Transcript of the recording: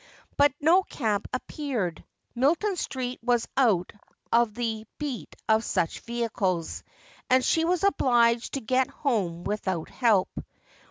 But no cab appeared. Milton Street was out of the beat of such vehicles, and she was obliged to get home without help.